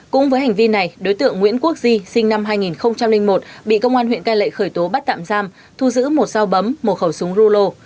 cũng với hành vi này đối tượng nguyễn quốc di sinh năm hai nghìn một bị công an huyện cai lệ khởi tố bắt tạm giam thu giữ một sao bấm một khẩu súng rulo